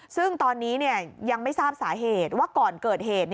ซึ่งตอนนี้ยังไม่ทราบสาเหตุว่าก่อนเกิดเหตุ